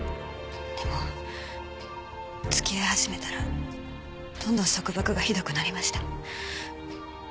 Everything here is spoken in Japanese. でも付き合い始めたらどんどん束縛がひどくなりました。